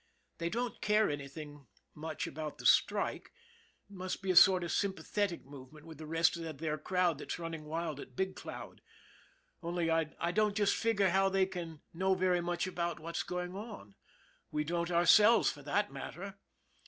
They don't care anything much about the strike, it must be a sort of sympathetic movement with the rest of their crowd that's running wild at Big Cloud only I don't just figure how they can know very much about what's going on. We don't ourselves, for that matter."